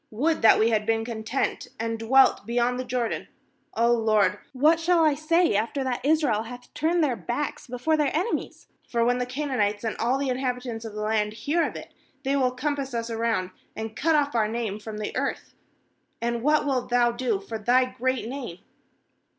would that we had been content and dwelt beyond the Jordan! ^h, Lord, what shall I say, after that Israel hath turned their backs before their enemies! 9For when the Canaanites and all the inhabitants of the land hear of it, they will compass us round, and cut off our name from the earth; and what wilt Thou do for Thy great name?'